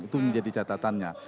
itu menjadi catatannya